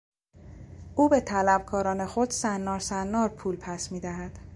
او به طلبکاران خود صنارصنار پول پس میدهد.